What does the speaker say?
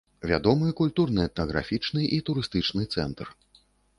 Вядомы культурна-этнаграфічны і турыстычны цэнтр.